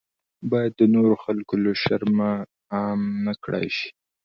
باید د نورو خلکو له شرمه عام نکړای شي.